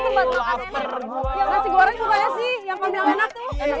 itu tuh ada tempat makan enak